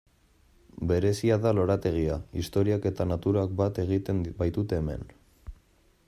Berezia da lorategia, historiak eta naturak bat egiten baitute hemen.